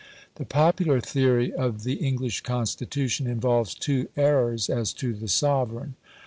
The popular theory of the English Constitution involves two errors as to the sovereign.